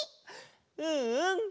うんうん。